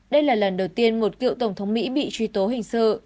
đây là lần đầu tiên một cựu tổng thống mỹ bị truy tố hình sự